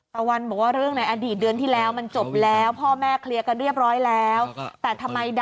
สาวพอบังบัวทองทีนี้ก็เลยต้องเอามาที่สาวพอบังใหญ่